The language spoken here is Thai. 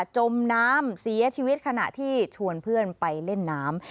จมน้ำเสียชีวิตขณะที่ชวนเพื่อนไปเล่นน้ำ